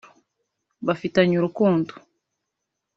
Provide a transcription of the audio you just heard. bafitanye urukundo